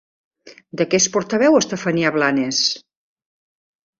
De què és portaveu Estefania Blanes?